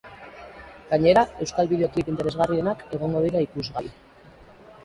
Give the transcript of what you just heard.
Gainera, euskal bideoklip interesgarrienak egongo dira ikusgai.